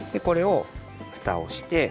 これをふたをして。